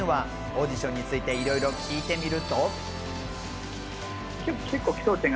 オーディションについていろいろ聞いてみると。